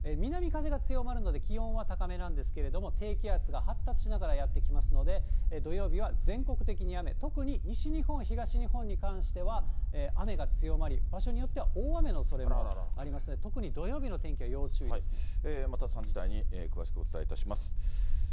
南風が強まるので、気温は高めなんですけれども、低気圧が発達しながらやって来ますので、土曜日は全国的に雨、特に、西日本、東日本に関しては、雨が強まり、場所によっては大雨のおそれもありますので、特に土曜日の天気はまた３時台に詳しくお伝えします。